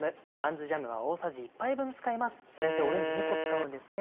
先生オレンジ２個使うんですね。